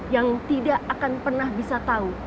yang tidak akan pernah bisa tahu